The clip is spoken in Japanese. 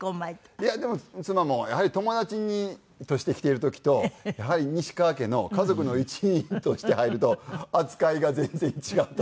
いやでも妻もやはり友達として来ている時とやはり西川家の家族の一員として入ると扱いが全然違ったと。